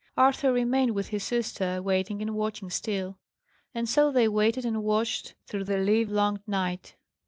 Arthur remained with his sister, waiting and watching still. And so they waited and watched through the livelong night.